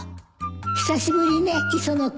久しぶりね磯野君